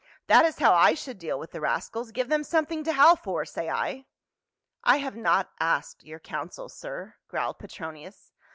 " That is how I should deal with the rascals ; give them something to howl for, say I." "I have not asked your counsel, sir," growled Petronius.